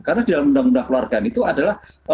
karena di dalam undang undang keluargaan itu adalah